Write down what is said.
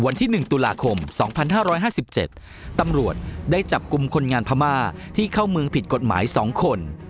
วันที่๑ตุลาคม๒๕๕๗ตำรวจได้จับกลุ่มคนงานพม่าที่เข้าเมืองผิดกฎหมาย๒คน